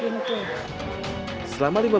saya antas sampai di pintu